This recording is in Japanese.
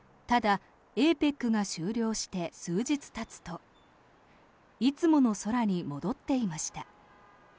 ただ、ＡＰＥＣが終了して数日たつといつもの空に戻っていました。